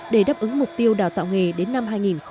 để đáp ứng mục tiêu đào tạo nghề đến năm hai nghìn hai mươi